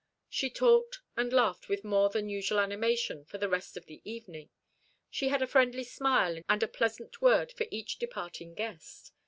She talked and laughed with more than usual animation for the rest of the evening. She had a friendly smile and a pleasant word for each departing guest.